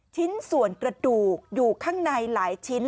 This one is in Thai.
ชิ้นส่วนกระดูกอยู่ข้างในหลายชิ้น